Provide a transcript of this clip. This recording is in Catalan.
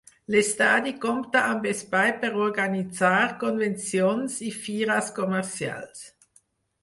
L'estadi compta amb espai per organitzar convencions i fires comercials.